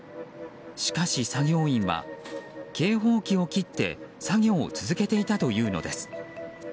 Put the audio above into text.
しかし、作業員は警報器を切って作業を続けていたというのです。